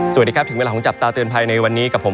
สวัสดีครับถึงเวลาของจับตาเตือนภัยในวันนี้กับผม